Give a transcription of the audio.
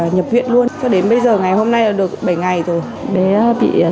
như suốt chút huyết cúm mùa